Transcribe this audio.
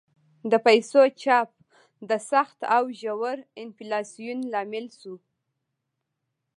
د پیسو چاپ د سخت او ژور انفلاسیون لامل شو.